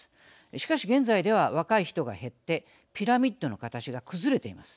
しかし、現在では若い人が減ってピラミッドの形が崩れています。